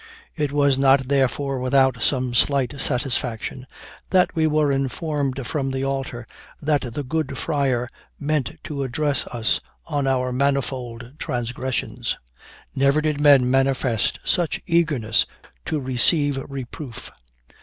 It was not, therefore, without some slight satisfaction that we were informed from the altar that the good friar meant to address us on our manifold transgressions. Never did men manifest such eagerness to receive reproof.